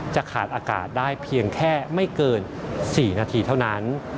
จะขาดอากาศได้เพียงแค่ไม่เกิน๔นาทีเท่านั้น